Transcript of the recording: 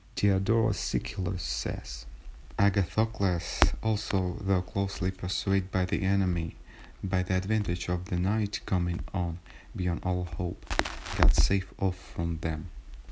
Diodorus Siculus says:— "Agathocles also, though closely pursued by the enemy, by the advantage of the night coming on (beyond all hope), got safe off from them.